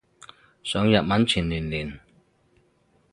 上日文前練練